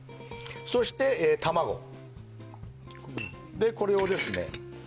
そして卵でこれをですね